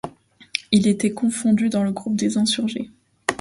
Il était confondu dans le groupe des insurgés.